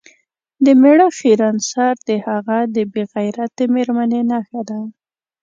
د میړه خیرن سر د هغه د بې غیرتې میرمنې نښه ده.